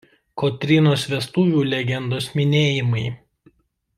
Kotrynos vestuvių legendos minėjimai.